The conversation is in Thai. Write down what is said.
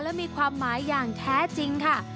และมีความหมายอย่างแท้จริงค่ะ